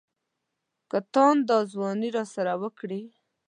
که تاند دا ځواني راسره وکړي.